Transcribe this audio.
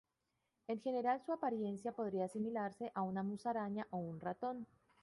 En general su apariencia podría asimilarse a una musaraña o un ratón.